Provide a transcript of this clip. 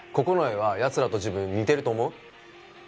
九重はやつらと自分似てると思う？